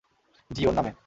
জ্বি, ওর নামে।